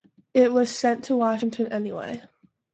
It was sent to Washington anyway.